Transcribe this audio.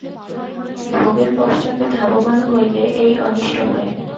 ভোগের পশ্চাতে ধাবমান হইলে এই অনিষ্ট হয়।